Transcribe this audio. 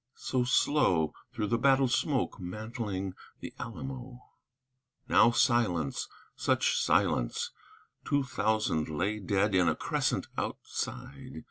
so slow, Through the battle smoke mantling the Alamo. Now silence! Such silence! Two thousand lay dead In a crescent outside!